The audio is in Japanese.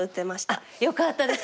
あっよかったです。